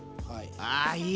ああいい！